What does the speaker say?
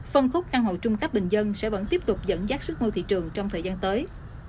phân khúc căn hộ trung cấp bình dân sẽ vẫn tiếp tục dẫn dắt sức mua thị trường trong thời gian tới